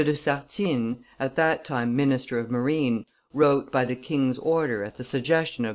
de Sartines, at that' time minister of marine, wrote by the king's order, at the suggestion of M.